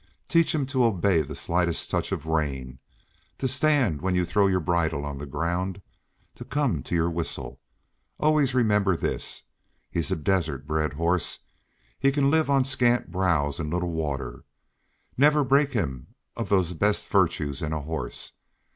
Teach him to obey the slightest touch of rein, to stand when you throw your bridle on the ground, to come at your whistle. Always remember this. He's a desert bred horse; he can live on scant browse and little water. Never break him of those best virtues in a horse.